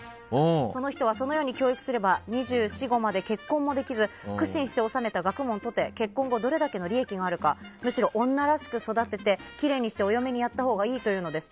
その人は、そのように教育すれば二十四、五まで結婚もできず苦心して修めた学問とて結婚後どれだけの利益があるかむしろ女らしく育ててきれいにしてお嫁にやったほうがいいというのです。